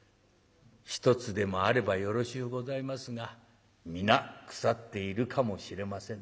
一つでもあればよろしゅうございますが皆腐っているかもしれません」。